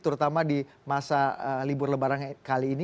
terutama di masa libur lebaran kali ini